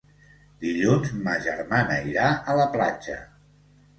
Dilluns ma germana irà a la platja.